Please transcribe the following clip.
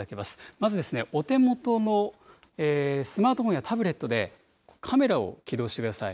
まずお手元のスマートフォンやタブレットでカメラを起動してください。